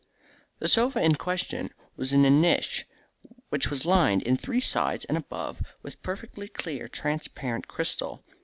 The sofa in question was in a niche which was lined in three sides and above with perfectly clear transparent crystal.